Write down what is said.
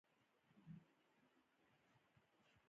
د کمپیوټر له برکته اوس هر څوک کولی شي له کوره کار وکړي.